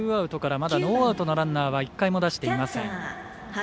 まだノーアウトのランナーは１回も出していません。